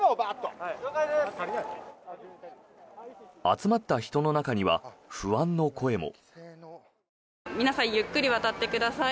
集まった人の中には不安の声も。